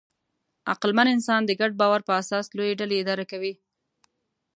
عقلمن انسان د ګډ باور په اساس لویې ډلې اداره کوي.